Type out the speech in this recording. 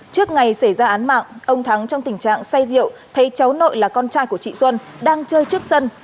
trước ngày xảy ra án mạng ông thắng trong tình trạng say rượu thấy cháu nội là con trai của chị xuân đang chơi trước sân